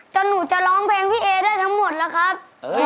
หนูจะร้องเพลงพี่เอได้ทั้งหมดแล้วครับ